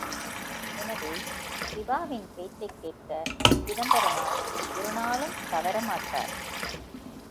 எனவே, சிவாவின் பேச்சைக் கேட்க சிதம்பரனார் ஒருநாளும் தவறமாட்டார்.